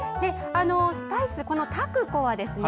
スパイス、このタクコはですね